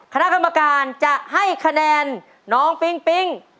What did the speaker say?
คณะกรรมการจะให้คะแนนน้องปิ๊งปิ๊ง